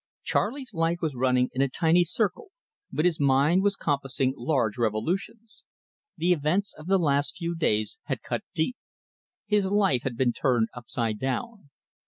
Charley's life was running in a tiny circle, but his mind was compassing large revolutions. The events of the last few days had cut deep. His life had been turned upside down.